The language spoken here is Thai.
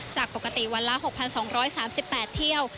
จากปกติวันละ๖๒๓๘เที่ยว